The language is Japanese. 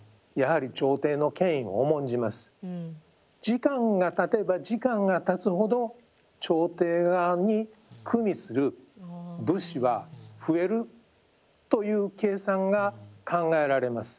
時間がたてば時間がたつほど朝廷側にくみする武士は増えるという計算が考えられます。